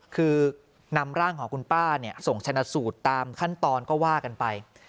คือนำร่างของคุณป้าส่งชนะสูตรตามขั้นตอนก็ว่ากันไป